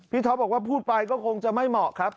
ท็อปบอกว่าพูดไปก็คงจะไม่เหมาะครับ